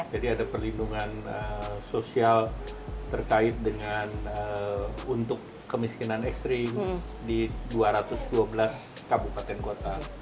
ada perlindungan sosial terkait dengan untuk kemiskinan ekstrim di dua ratus dua belas kabupaten kota